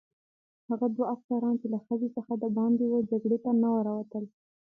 هغه دوه افسران چې له خزې څخه دباندې وه جګړې ته نه راوتل.